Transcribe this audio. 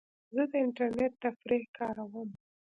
زه د انټرنیټ تفریح کاروم.